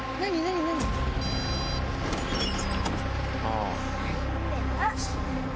あっ！